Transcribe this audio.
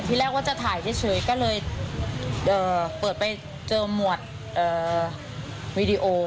ที่แรกว่าจะถ่ายเฉยก็เลยเปิดไปเจอหมวดวีดีโอ